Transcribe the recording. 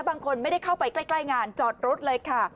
บางคนไม่ได้เข้าไปใกล้งานจอดรถเลยค่ะ